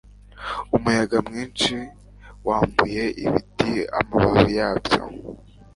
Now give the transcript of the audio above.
Umuyaga mwinshi wambuye ibiti amababi yabyo.